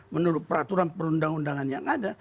menurut peraturan perundang undangan yang ada